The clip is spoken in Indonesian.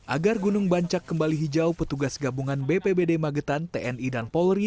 agar gunung bancak kembali hijau petugas gabungan bpbd magetan tni dan polri